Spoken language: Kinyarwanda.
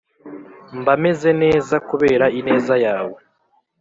Mbamezeneza kubera ineza yawe